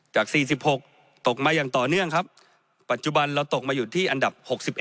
จาก๔๖ตกมาอย่างต่อเนื่องครับปัจจุบันเราตกมาอยู่ที่อันดับ๖๑